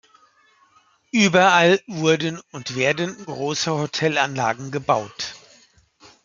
Überall wurden und werden große Hotelanlagen gebaut.